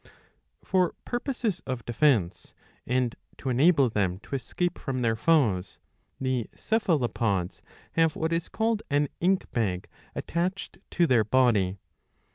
For purposes of defence, and to enable them to escape from their foes, the Cephalopods have what is called an ink bag attached to their body.